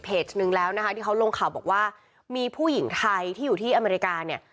หนึ่งแล้วนะคะที่เขาลงข่าวบอกว่ามีผู้หญิงไทยที่อยู่ที่อเมริกาเนี่ย